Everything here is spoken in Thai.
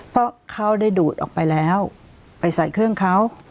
เพราะเขาได้ดูดออกไปแล้วไปใส่เครื่องเขา